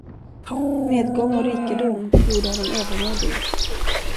Medgång och rikedom gjorde honom övermodig.